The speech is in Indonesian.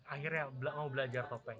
akhirnya mau belajar topeng